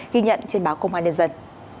ghi nhận trên báo công an liên dân